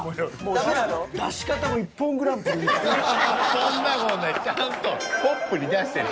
そんな事ないちゃんとポップに出してる。